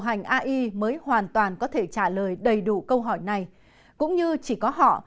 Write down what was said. hành ai mới hoàn toàn có thể trả lời đầy đủ câu hỏi này cũng như chỉ có họ